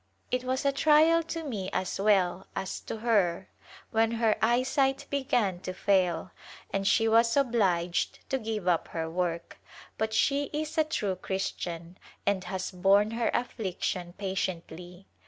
It was a trial to me as well as to her when her eyesight began to fail and she was obliged to give up her work, but she is a true Christian and has borne her affliction patiently.